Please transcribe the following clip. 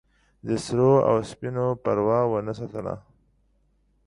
د سرو او سپینو پروا ونه ساتله.